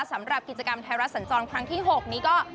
สำหรับกิจกรรมไทยรัฐสัญจรครั้งที่๖นี้ก็